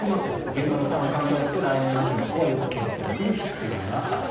現場の負担を考えると来年秋の移行はよく検討する必要があると。